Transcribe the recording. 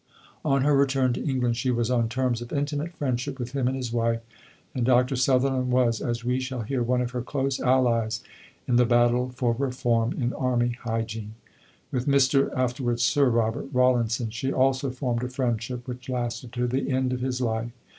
On her return to England she was on terms of intimate friendship with him and his wife; and Dr. Sutherland was, as we shall hear, one of her close allies in the battle for reform in army hygiene. With Mr. (afterwards Sir Robert) Rawlinson she also formed a friendship which lasted to the end of his life.